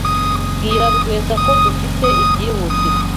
Bwira Rwesa ko dufite ibyihutirwa.